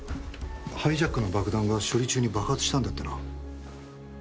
ハイジャックの爆弾が処理中に爆発したんだってな。